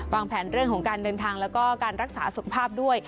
วางแผนเรื่องของการเดินทางแล้วก็การรักษาสุขภาพด้วย